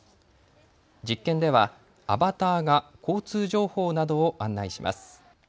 実験ではアバターが交通情報などを案内します。